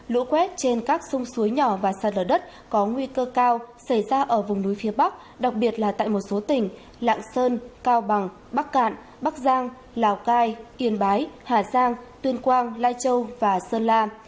lũ quét trên các sông suối nhỏ và sạt lở đất có nguy cơ cao xảy ra ở vùng núi phía bắc đặc biệt là tại một số tỉnh lạng sơn cao bằng bắc cạn bắc giang lào cai yên bái hà giang tuyên quang lai châu và sơn la